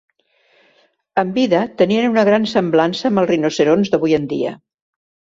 En vida, tenien una gran semblança amb els rinoceronts d'avui en dia.